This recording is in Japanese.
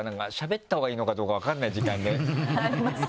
あります。